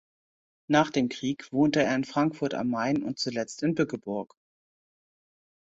Nach dem Krieg wohnte er in Frankfurt am Main und zuletzt in Bückeburg.